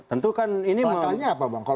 pakannya apa bang